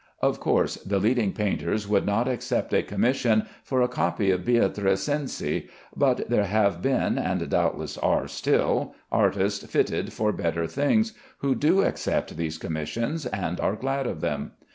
Of course the leading painters would not accept a commission for a copy of Beatrice Cenci, but there have been (and doubtless are still) artists fitted for better things, who do accept these commissions and are glad of them.